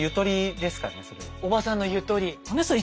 おばさんのゆとり。